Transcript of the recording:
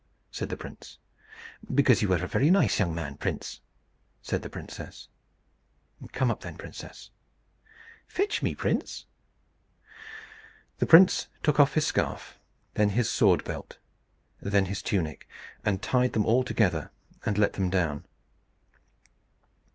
said the prince. "Because you are a very nice young man, prince," said the princess. "Come up then, princess." "Fetch me, prince." The prince took off his scarf, then his sword belt, then his tunic, and tied them all together, and let them down.